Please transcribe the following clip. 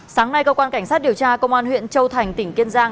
sáng nay cơ quan cảnh sát điều tra công an huyện châu thành tỉnh kiên giang